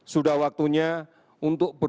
sudah waktunya untuk berpikir